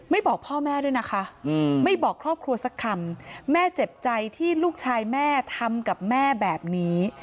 บอกพ่อแม่ด้วยนะคะไม่บอกครอบครัวสักคำแม่เจ็บใจที่ลูกชายแม่ทำกับแม่แบบนี้